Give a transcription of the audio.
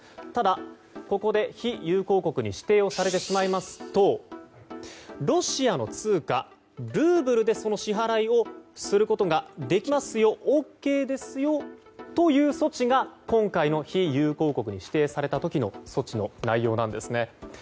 ただ、ここで非友好国に指定をされてしまいますとロシアの通貨ルーブルでその支払いをすることができますよＯＫですよという措置が今回の非友好国に指定された時の措置の内容なんです。